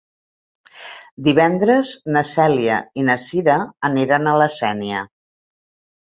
Divendres na Cèlia i na Cira aniran a la Sénia.